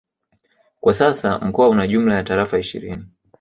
Kwa sasa mkoa una jumla ya Tarafa ishirini